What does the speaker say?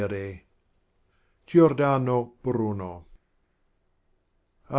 — Oiordano Bruno. I.